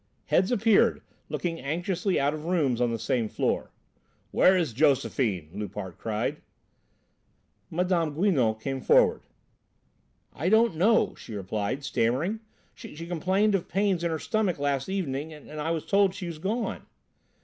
Heads appeared, looking anxiously out of rooms on the same floor. "Where is Josephine?" Loupart cried. Mme. Guinon came forward. "I don't know," she replied, stammering. "She complained of pains in her stomach last evening, and I was told she's gone."